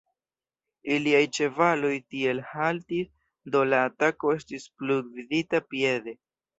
Iliaj ĉevaloj tie haltis, do la atako estis plu gvidita piede.